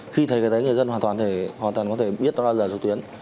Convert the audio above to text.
khi thấy cái đấy người dân hoàn toàn có thể biết nó là lừa trực tuyến